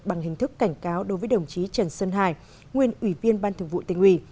bằng hình thức cảnh cáo đối với đồng chí trần sơn hải nguyên ủy viên ban thường vụ tỉnh ủy